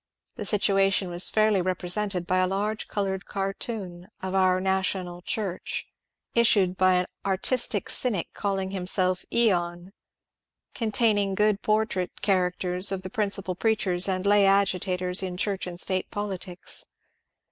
The situation was fairly represented by a large coloured cartoon of ^^Our National Church" issued by an artistic cynic calling himself ^^ Ion," containing good portrait* caricatures of the principal preachers and lay agitators in Church and State politics.